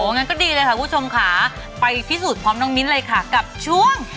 งั้นก็ดีเลยค่ะคุณผู้ชมค่ะไปพิสูจน์พร้อมน้องมิ้นเลยค่ะกับช่วง